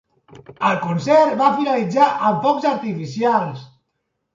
El concert va finalitzar amb focs artificials.